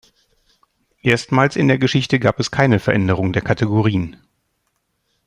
Erstmals in der Geschichte gab es keine Veränderungen der Kategorien.